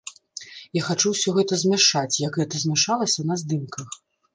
Я хачу ўсё гэта змяшаць, як гэта змяшалася на здымках.